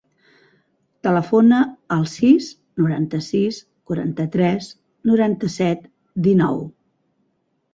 Telefona al sis, noranta-sis, quaranta-tres, noranta-set, dinou.